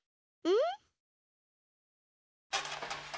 うん？